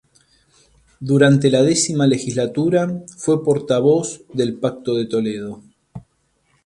Durante la X legislatura fue portavoz del Pacto de Toledo.